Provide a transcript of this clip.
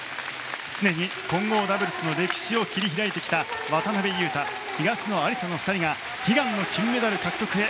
常に混合ダブルスの歴史を切り開いてきた渡辺勇大、東野有紗の２人が悲願の金メダル獲得へ。